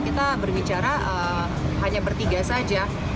kita berbicara hanya bertiga saja